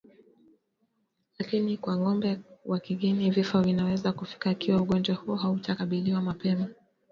Lakini kwa ng'ombe wa kigeni vifo vinaweza kufika ikiwa ugonjwa huo hautakabiliwa mapema